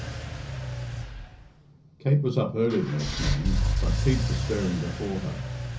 XII. Kate was up early the next morning, but Pete was stirring before her.